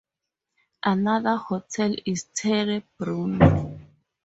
Another hotel is Terre Brune.